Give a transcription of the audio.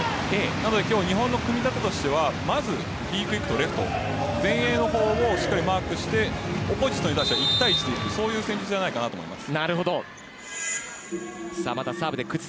なので今日日本の組み立てとしてＢクイックとレフト前衛のほうをマークしてオポジットは１対１そういう戦術じゃないかと思います。